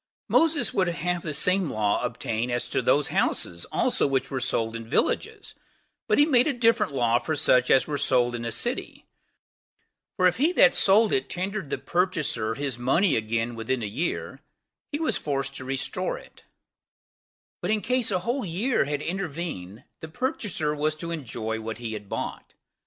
Moses would have the same law obtain as to those houses also which were sold in villages; but he made a different law for such as were sold in a city; for if he that sold it tendered the purchaser his money again within a year, he was forced to restore it; but in case a whole year had intervened, the purchaser was to enjoy what he had bought.